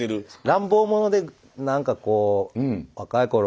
乱暴者で何かこう若い頃は。